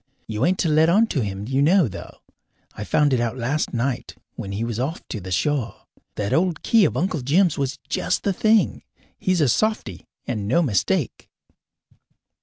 You ain't to let on to him you know, though. I found it out last night when he was off to the shore. That old key of Uncle Jim's was just the thing. He's a softy, and no mistake."